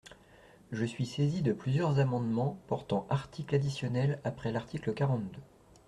Je suis saisi de plusieurs amendements portant articles additionnels après l’article quarante-deux.